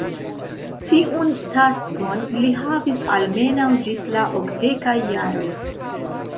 Tiun taskon li havis almenaŭ ĝis la okdekaj jaroj.